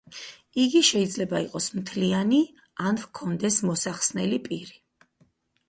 იგი შეიძლება იყოს მთლიანი, ან ჰქონდეს მოსახსნელი პირი.